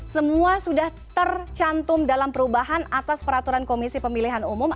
semua sudah tercantum dalam perubahan atas peraturan komisi pemilihan umum